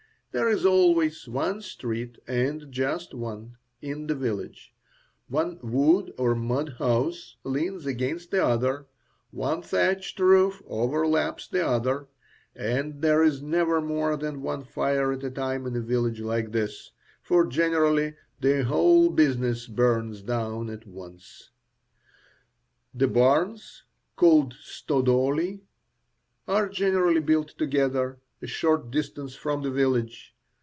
There is always one street, and just one, in the village; one wood or mud house leans against the other, one thatched roof overlaps the other, and there is never more than one fire at a time in a village like this; for generally the whole business burns down at once. The barns, called "stodoly," are generally built together, a short distance from the village.